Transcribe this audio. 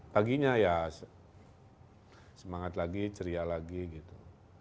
paginya ya semangat lagi ceria lagi gitu